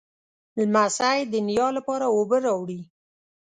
لمسی د نیا لپاره اوبه راوړي.